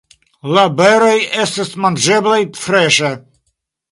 La beroj estas manĝeblaj freŝe.